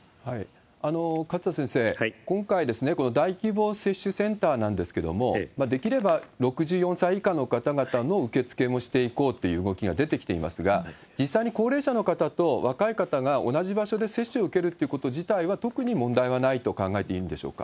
勝田先生、今回、この大規模接種センターなんですけれども、できれば６４歳以下の方々の受け付けもしていこうという動きが出てきていますが、実際に高齢者の方と若い方が同じ場所で接種を受けるっていうこと自体は、特に問題はないと考えていいんでしょうか？